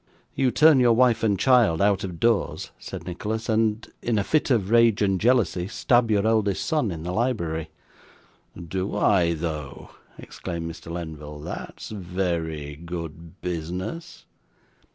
'You turn your wife and child out of doors,' said Nicholas; 'and, in a fit of rage and jealousy, stab your eldest son in the library.' 'Do I though!' exclaimed Mr. Lenville. 'That's very good business.